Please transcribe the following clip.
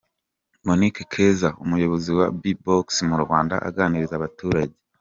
Monique Keza, umuyobozi wa Bbox mu Rwanda aganiriza abaturage.